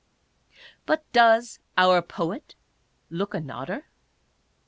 But does our poet look a nodder